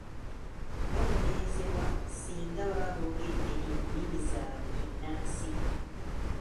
Babonerezebwa ssinga baba boogedde ennimi zaabwe ennansi.